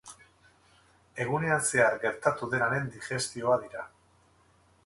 Egunean zehar gertatu denaren digestioa dira.